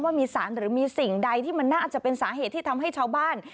ว่ามีสารหรือมีสิ่งใดที่มันน่าจะเป็นสาเหตุที่ทำให้ชาวบ้าน